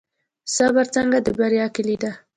صبر څنګه د بریا کیلي ده؟